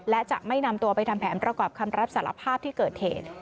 และจะไม่นำตัวไปทำแผนประกอบคำรับสารภาพที่เกิดเหตุ